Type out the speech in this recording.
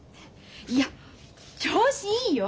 いや調子いいよ。